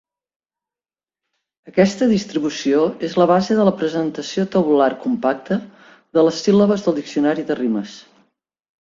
Aquesta distribució és la base de la presentació tabular compacta de les síl·labes del diccionari de rimes.